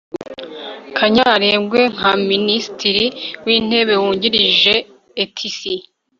kanyarengwe nka minisitiri w'intebe wungirije etc